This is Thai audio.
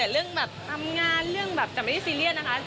เรื่องแบบทำงานเรื่องแบบแต่ไม่ได้ซีเรียสนะคะ